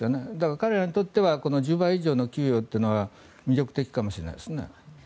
彼らにとっては１０倍以上の給与というのは魅力的かもしれないですね。